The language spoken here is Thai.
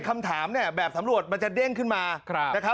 คำถามแบบสำรวจมันจะเด้งขึ้นมา